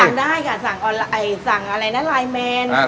สั่งได้ค่ะสั่งออนไลน์สั่งอะไรนะไลน์แมน